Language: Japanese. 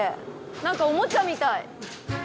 なんかおもちゃみたい。